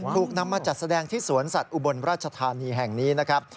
ถูกนำมาจัดแสดงที่สวนสัตว์อุบลราชธานีแห่งนี้นะครับ